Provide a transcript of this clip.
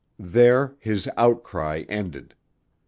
There his outcry ended.